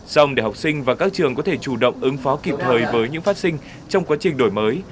xong để học sinh và các trường có thể chủ động ứng phó kịp thời với những phát sinh trong quá trình đổi mới